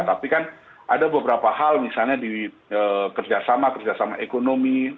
tapi kan ada beberapa hal misalnya di kerjasama kerjasama ekonomi